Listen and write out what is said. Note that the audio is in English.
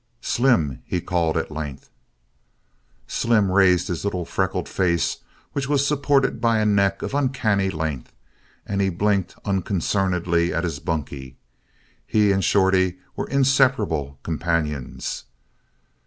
"Slim!" he called at length. Slim raised his little freckled face which was supported by a neck of uncanny length, and he blinked unconcernedly at his bunkie. He and Shorty were inseparable companions.